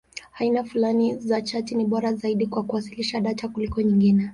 Aina fulani za chati ni bora zaidi kwa kuwasilisha data kuliko nyingine.